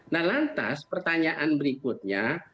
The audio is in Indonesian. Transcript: nah lantas pertanyaan berikutnya